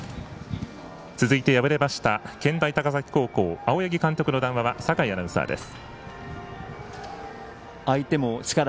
続いて敗れました健大高崎高校青柳監督の談話はさかいアナウンサーです。